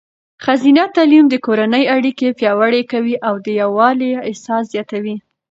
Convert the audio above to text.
ښځینه تعلیم د کورنۍ اړیکې پیاوړې کوي او د یووالي احساس زیاتوي.